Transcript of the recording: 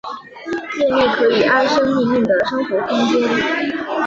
建立可以安身立命的生活空间